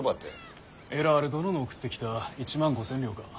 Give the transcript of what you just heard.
エラール殿の送ってきた１万５，０００両か。